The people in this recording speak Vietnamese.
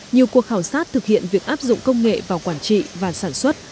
nhiều cuộc khảo sát thực hiện việc áp dụng công nghệ vào quản trị và sản xuất